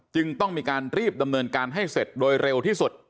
จึงต้องมีการรีบดำเนินการให้เสร็จโดยเร็วที่สุด